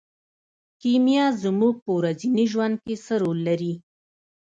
کیمیا زموږ په ورځني ژوند کې څه رول لري.